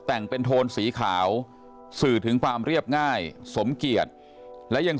แต่งเป็นโทนสีขาวสื่อถึงความเรียบง่ายสมเกียจและยัง